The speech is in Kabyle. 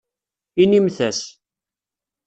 Inimt-as.